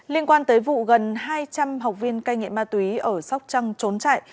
liên quan tới vụ gần hai trăm linh học viên cây nghệ ma túy ở sóc trăng trốn chạy